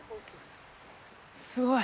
すごい。